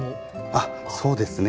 あっそうですね。